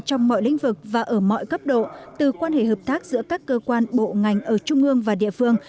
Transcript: trong mọi lĩnh vực và ở mọi cấp độ từ quan hệ hợp tác giữa các cơ quan bộ ngành ở trung ương và địa phương